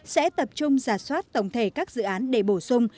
sẽ tập trung giả soát tổng thể các dự án để bổ sung